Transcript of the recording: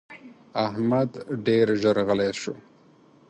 احمد ډېر ژر غلی شو.